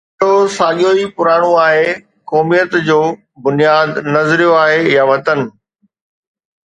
مسئلو ساڳيو ئي پراڻو آهي: قوميت جو بنياد نظريو آهي يا وطن؟